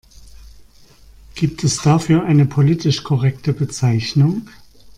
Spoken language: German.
Gibt es dafür eine politisch korrekte Bezeichnung?